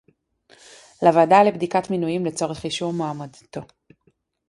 לוועדה לבדיקת מינויים לצורך אישור מועמדותו